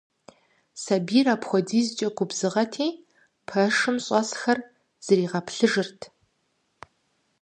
А сэбийр апхуэдизкӏэ губзыгъэти, пэшым щӏэсхэр зэригъэплъыжырт.